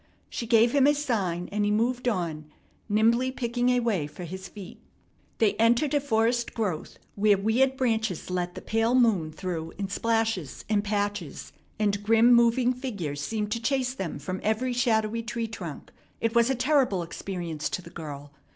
She gave him a sign, and he moved on, nimbly picking a way for his feet. They entered a forest growth where weird branches let the pale moon through in splashes and patches, and grim moving figures seemed to chase them from every shadowy tree trunk. It was a terrible experience to the girl.